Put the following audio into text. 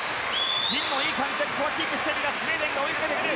神野、いい感じでここはキープしているがスウェーデンが追いかけてくる。